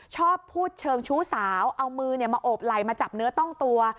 ชอบพูดเชิงชู้สาวเอามือมาโอบไหลมาจับเนื้อต้องตัว